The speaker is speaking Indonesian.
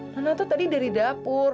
nona tuh tadi dari dapur